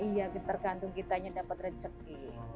iya tergantung kitanya dapat rezeki